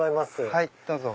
はいどうぞ。